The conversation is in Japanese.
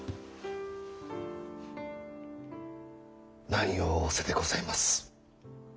何を仰せでございます。